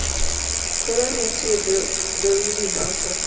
Koro nitie dhoudi moko